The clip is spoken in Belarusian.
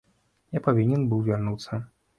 Я павінен быў вярнуцца.